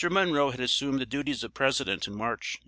Monroe had assumed the duties of President in March, 1817.